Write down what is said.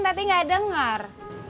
tati gak denger